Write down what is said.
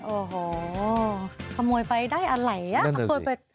โอ้โหขโมยไปได้อะไรอ่ะขโมยไป